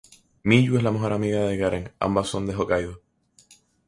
Miyu es la mejor amiga de Karen, ambas son de Hokkaido.